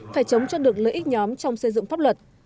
phải chống cho được lợi ích nhóm trong xây dựng pháp luật